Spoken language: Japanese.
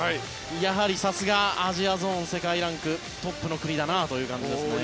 やはりさすがアジアゾーン世界ランクトップの国だなという感じですね。